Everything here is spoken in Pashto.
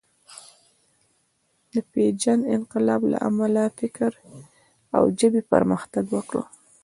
د پېژاند انقلاب له امله فکر او ژبې پرمختګ وکړ.